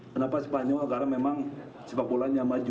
kenapa spanyol karena memang sepak bolanya maju